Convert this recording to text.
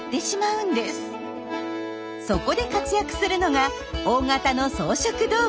そこで活躍するのが大型の草食動物。